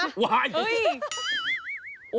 โอ้โห